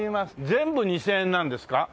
全部２０００円なんですか？